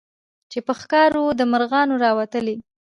چي په ښکار وو د مرغانو راوتلی